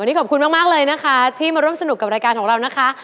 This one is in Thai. วันนี้ขอบคุณมากเลยนะคะที่มาร่วมสนุกกับรายการของเรานะคะ